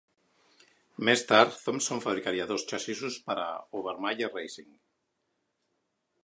Més tard, Thompson fabricaria dos xassissos per a Obermaier Racing.